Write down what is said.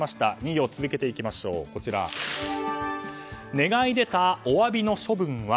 ２行続けていきましょう願い出たお詫びの処分は？